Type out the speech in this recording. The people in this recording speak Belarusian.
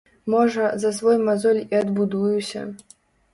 Можа, за свой мазоль і адбудуюся.